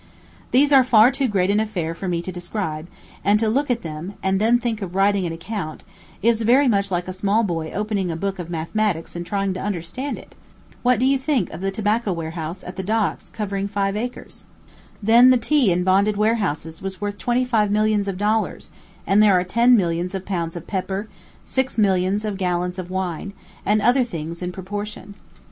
These are tar too great an affair for me to describe; and to look at them, and then think of writing an account, is very much like a small boy opening a book of mathematics and trying to understand it. What do you think of the tobacco warehouse, at the docks covering five acres? Then the tea in bonded warehouses was worth twenty five millions of dollars; and there are ten millions of pounds of pepper, six millions of gallons of wine, and other things in proportion.